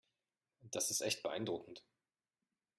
Das ist echt beeindruckend.